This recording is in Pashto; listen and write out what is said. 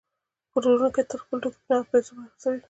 پلورونکی تل خپل توکي په نغدو پیسو نه خرڅوي